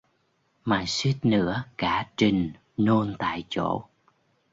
Mà suýt nữa cả trình nôn tại chỗ